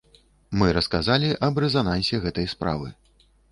Мы расказалі аб рэзанансе гэтай справы.